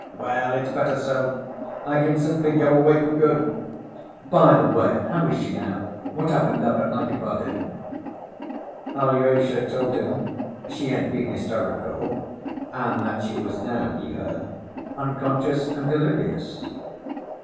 Well, it's better so; I can simply go away for good. By the way, how is she now? What happened after I departed?" Alyosha told him she had been hysterical, and that she was now, he heard, unconscious and delirious.